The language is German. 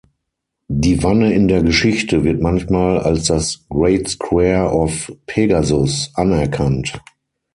Die Wanne in der Geschichte wird manchmal als das Great Square of Pegasus anerkannt.